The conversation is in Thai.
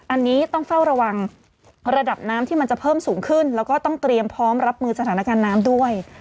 อันนี้ต้องเฝ้าระวังระดับน้ำที่มันจะเพิ่มสูงขึ้นแล้วก็ต้องเตรียมพร้อมรับมือสถานการณ์น้ำด้วย